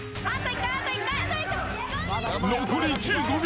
［残り１５秒。